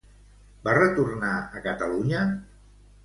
Va retornar a Catalunya?